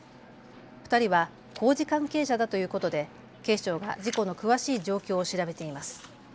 ２人は工事関係者だということで警視庁が事故の詳しい状況を調べています。